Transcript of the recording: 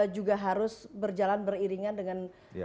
juga harus berjalan beriringan dengan